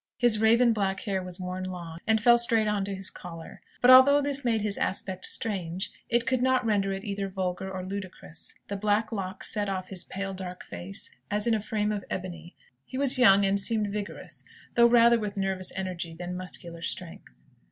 His raven black hair was worn long, and fell straight on to his collar. But although this made his aspect strange, it could not render it either vulgar or ludicrous. The black locks set off his pale dark face, as in a frame of ebony. He was young, and seemed vigorous, though rather with nervous energy than muscular strength.